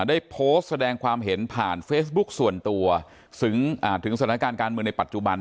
ได้โพสต์แสดงความเห็นผ่านเฟซบุ๊คส่วนตัวถึงสถานการณ์การเมืองในปัจจุบัน